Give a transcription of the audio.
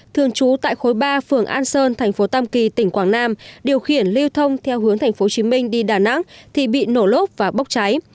thường trú tại khối ba phường an sơn tp tâm kỳ tỉnh quảng nam điều khiển lưu thông theo hướng tp hcm đi đà nẵng thì bị nổ lốt và bốc cháy